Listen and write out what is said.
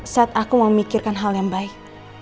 saat aku mau mikirkan hal yang baik